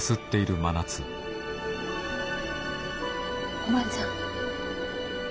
おばあちゃん。